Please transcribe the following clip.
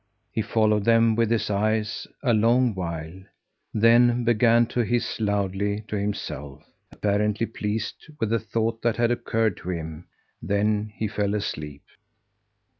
He followed them with his eyes a long while; then began to hiss loudly to himself, apparently pleased with the thought that had occurred to him then he fell asleep.